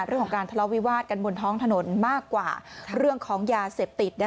เรื่องของการทะเลาวิวาสกันบนท้องถนนมากกว่าเรื่องของยาเสพติด